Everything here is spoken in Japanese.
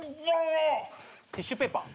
ティッシュペーパー？